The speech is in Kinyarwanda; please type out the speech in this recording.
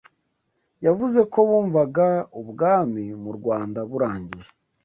yavuze ko bumvaga ubwami mu Rwanda burangiye